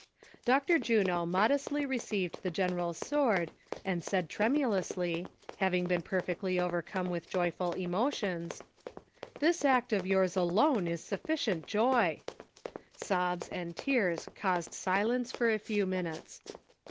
] Dr. Juno modestly received the general's sword, and said tremulously, having been perfectly overcome with joyful emotions :" This act of yours alone is sufficient joy !" Sobs and tears caused silence for a few minutes.